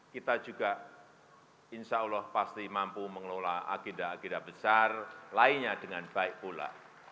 kita juga insya allah pasti mampu mengelola agenda agenda besar lainnya dengan baik pula